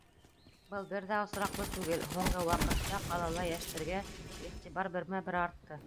Был бер ҙә осраҡлы түгел: һуңғы ваҡытта ҡалала йәштәргә иғтибар бермә-бер артты.